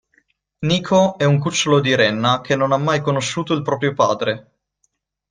Niko è un cucciolo di renna che non ha mai conosciuto il proprio padre.